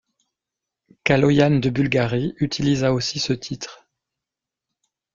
Kaloyan de Bulgarie utilisa aussi ce titre.